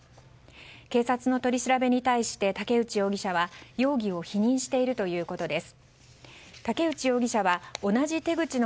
警察の取り調べに対して武内容疑者は容疑を否認しているということです。